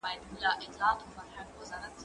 زه به سبا مېوې راټولې کړم؟!